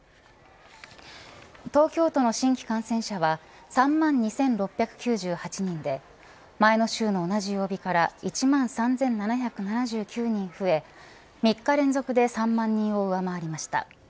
東京都の新規感染者は３万２６９８人で前の週の同じ曜日から１万３７７９人増え３日連続で３万人を上回りました。